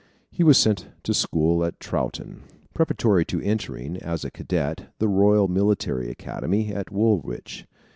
He was sent to school at Taunton, preparatory to entering, as a cadet, the Royal Military Academy, at Woolwich.